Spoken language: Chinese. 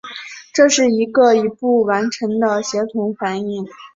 这是一个一步完成的协同反应。